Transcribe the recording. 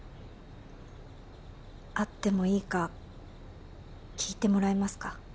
会ってもいいか聞いてもらえますか？